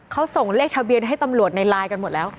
เขาส่งเลขทะเบียนให้ตำรวจในไลน์กันหมดแล้ว